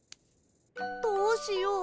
どうしよう